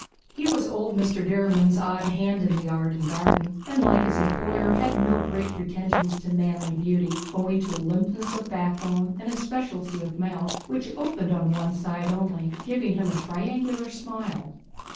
He was old Mr. Derriman's odd hand in the yard and garden, and like his employer had no great pretensions to manly beauty, owing to a limpness of backbone and speciality of mouth, which opened on one side only, giving him a triangular smile.